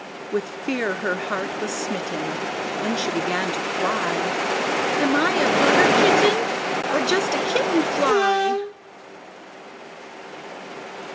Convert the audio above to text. With fear her heart was smitten, And she began to cry, "Am I a butter kitten? Or just a kitten fly?"